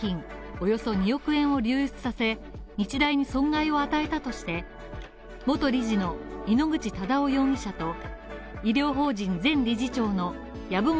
およそ２億円を流出させ、日大に損害を与えたとして、元理事の井ノ口忠男容疑者と、医療法人前理事長の籔本